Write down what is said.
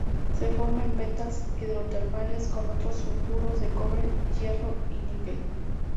Se forma en vetas hidrotermales con otros sulfuros de cobre, hierro y níquel.